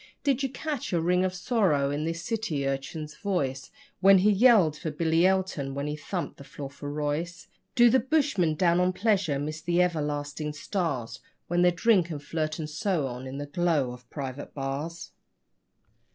Did you catch a ring of sorrow in the city urchin's voice When he yelled for Billy Elton, when he thumped the floor for Royce? Do the bushmen, down on pleasure, miss the everlasting stars When they drink and flirt and so on in the glow of private bars?